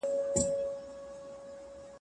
که چیرې خلک ډیر ومومي، نو به يې جوړه کړي.